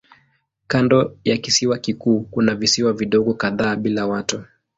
Kando ya kisiwa kikuu kuna visiwa vidogo kadhaa bila watu.